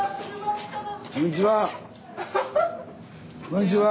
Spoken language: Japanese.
こんにちは。